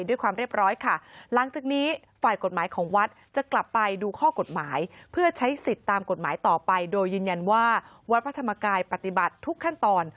โดยยืนยันว่าวัดพระธรรมกายปฏิบัติทุกขั้นตอน